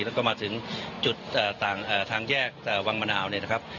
แล้วก็มาถึงจุดทางแยกวังมะนาวเนี่ยนะครับ